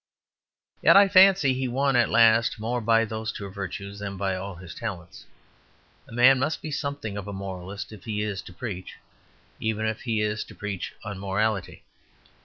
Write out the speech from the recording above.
Yet I fancy he won at last more by those two virtues than by all his talents. A man must be something of a moralist if he is to preach, even if he is to preach unmorality.